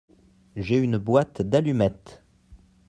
J'ai une boîte d'allumettes.